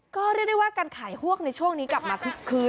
ก็เรียกได้ว่าการขายฮวกในช่วงนี้กลับมาคึกคื้น